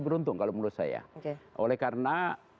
beruntung kalau menurut saya oleh karena